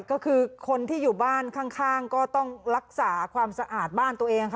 ก็คือคนที่อยู่บ้านข้างก็ต้องรักษาความสะอาดบ้านตัวเองค่ะ